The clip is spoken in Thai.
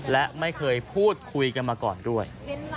และไม่เคยพูดคุยกันมาก่อนด้วย